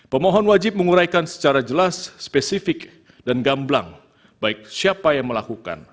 pemohon wajib menguraikan secara jelas spesifik dan gamblang baik siapa yang melakukan